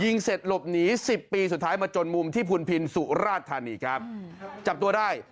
เสร็จหลบหนีสิบปีสุดท้ายมาจนมุมที่พุนพินสุราชธานีครับจับตัวได้